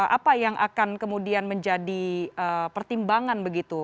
apa yang akan kemudian menjadi pertimbangan begitu